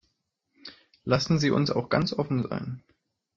Lassen Sie uns auch ganz offen sein.